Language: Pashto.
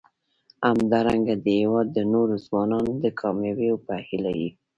همدارنګه د هیواد د نورو ځوانانو د کامیابیو په هیله یو.